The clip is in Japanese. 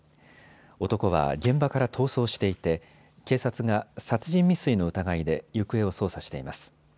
男は現場から逃走していて警察が殺人未遂の疑いで行方を捜査しています。